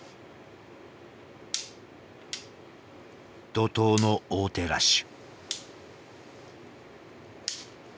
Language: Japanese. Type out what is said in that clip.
怒とうの王手ラッシュ。